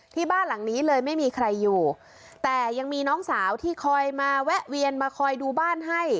ที่บ้านหลังนี้เลยไม่มีใครอยู่แต่ยังมีน้องสาวที่คอยมาแวะเวียนมาคอยดูบ้านให้